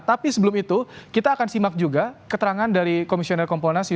tapi sebelum itu kita akan simak juga keterangan dari komisioner kompolnas